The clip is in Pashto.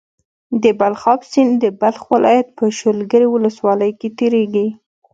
د بلخاب سيند د بلخ ولايت په شولګرې ولسوالۍ کې تيريږي.